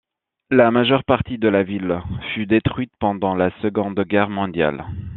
La majeure partie de la ville fut détruite pendant la Seconde Guerre mondiale.